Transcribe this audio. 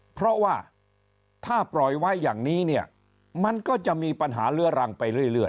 เพราะว่าถ้าปล่อยไว้อย่างนี้เนี่ยมันก็จะมีปัญหาเรื้อรังไปเรื่อย